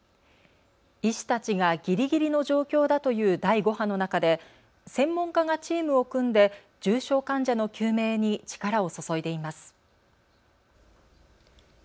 医師たちがぎりぎりの状況だという第５波の中で専門家がチームを組んで重症患者の救命に力を注いでいます。